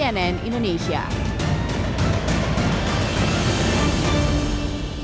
berita terkini mengenai cuaca ekstrem dua ribu dua puluh satu